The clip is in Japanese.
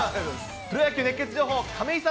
プロ野球熱ケツ情報、亀井さん